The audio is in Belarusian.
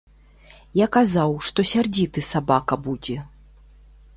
Я казаў, што сярдзіты сабака будзе.